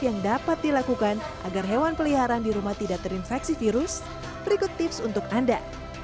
yang dapat dilakukan agar hewan peliharaan di rumah tidak terinfeksi virus berikut tips untuk anda